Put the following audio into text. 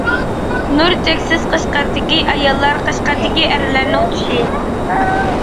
نۇر چەكسىز قەشقەر دىكى ئاياللار قەشقەر دىكى ئەرلەرنىڭ چۈشى.